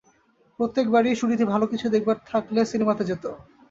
প্রত্যেকবারেই সুরীতি ভালো কিছু দেখবার থাকলে সিনেমাতে যেত।